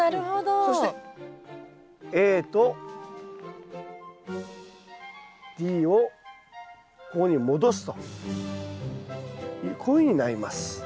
そしてＡとＤをここに戻すとこういうふうになります。